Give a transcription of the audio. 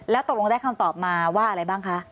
แล้วตกลงได้คำตอบมาว่าอะไรบ้างคะ